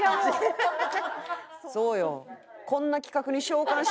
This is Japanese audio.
そうよ。